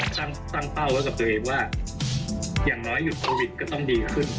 ตั้งตั้งเป้าแล้วกับตัวเองว่าอย่างน้อยหยุดก็ต้องดีขึ้น